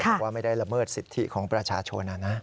บอกว่าไม่ได้ละเมิดสิทธิของประชาชน